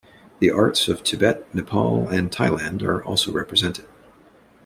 The arts of Tibet, Nepal, and Thailand are also represented.